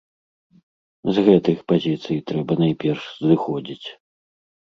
З гэтых пазіцый трэба найперш зыходзіць.